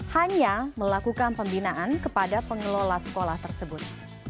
hanya melakukan pembinaan kepada pengelola sekolah tersebut